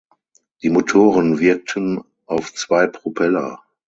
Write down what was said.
Die Motoren wirkten auf zwei Propeller.